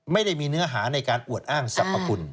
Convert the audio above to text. ไม่ได้มีเนื้อหาในการอวดอ้างสรรพคุณ